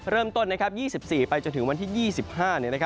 เริ่มต้น๒๔ไปจนถึงวันที่๒๕